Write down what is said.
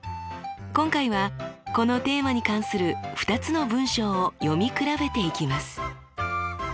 今回はこのテーマに関する２つの文章を読み比べていきます。